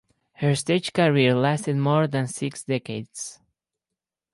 Her stage career lasted more than six decades.